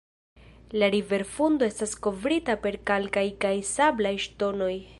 La riverfundo estas kovrita per kalkaj kaj sablaj ŝtonoj.